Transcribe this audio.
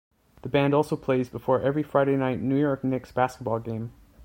The band also plays before every Friday-night New York Knicks basketball game.